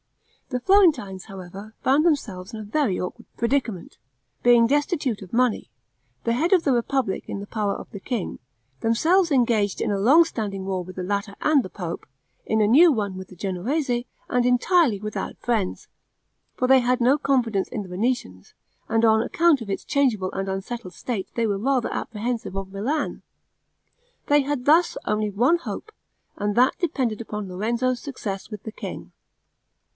The Florentines, however, found themselves in a very awkward predicament, being destitute of money, the head of the republic in the power of the king, themselves engaged in a long standing war with the latter and the pope, in a new one with the Genoese, and entirely without friends; for they had no confidence in the Venetians, and on account of its changeable and unsettled state they were rather apprehensive of Milan. They had thus only one hope, and that depended upon Lorenzo's success with the king.